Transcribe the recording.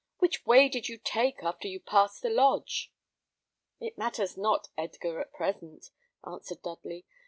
Which way did you take after you passed the lodge?" "It matters not, Edgar, at present," answered Dudley.